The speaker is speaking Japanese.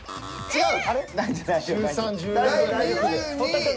違う！